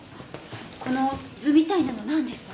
この図みたいなのなんでした？